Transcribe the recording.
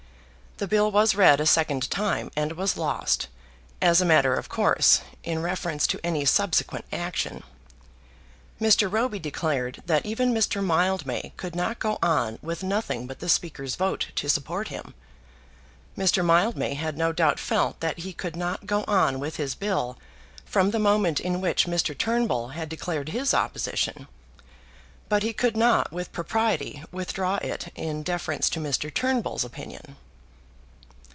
The bill was read a second time, and was lost, as a matter of course, in reference to any subsequent action. Mr. Roby declared that even Mr. Mildmay could not go on with nothing but the Speaker's vote to support him. Mr. Mildmay had no doubt felt that he could not go on with his bill from the moment in which Mr. Turnbull had declared his opposition; but he could not with propriety withdraw it in deference to Mr. Turnbull's opinion.